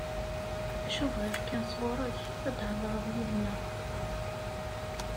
Acu bɣiɣ kan sɣur-k, ad thedreḍ yid-neɣ.